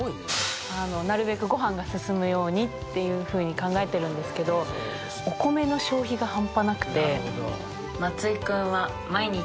なるべくご飯がすすむようにっていうふうに考えてるんですけどお米の消費が半端なくて。